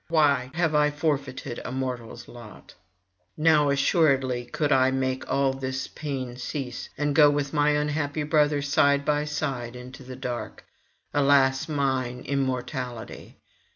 why have I forfeited a mortal's lot? Now assuredly could I make all this pain cease, and go with my unhappy brother side by side into the dark. Alas mine immortality!